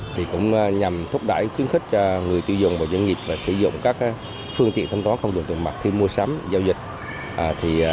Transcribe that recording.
thì cũng nhằm thúc đẩy khuyến khích người tiêu dùng và doanh nghiệp sử dụng các phương tiện thanh toán không dùng tiền mặt khi mua sắm giao dịch